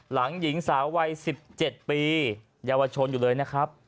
หญิงสาววัย๑๗ปีเยาวชนอยู่เลยนะครับ